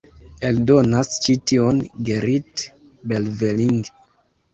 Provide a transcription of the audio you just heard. Eldonas ĉi tion Gerrit Berveling.